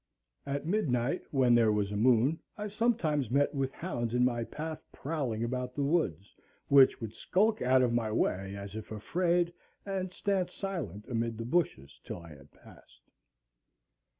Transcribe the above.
At midnight, when there was a moon, I sometimes met with hounds in my path prowling about the woods, which would skulk out of my way, as if afraid, and stand silent amid the bushes till I had passed.